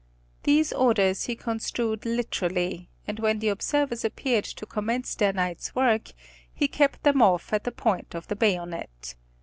'These orders he construed literally, and when the observers appeared to commence their night's work, he kept them off at the point of the bayonet.